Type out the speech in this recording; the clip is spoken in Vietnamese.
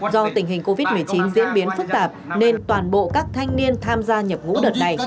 do tình hình covid một mươi chín diễn biến phức tạp nên toàn bộ các thanh niên tham gia nhập ngũ đợt này